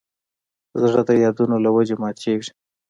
زړه د یادونو له وجې ماتېږي.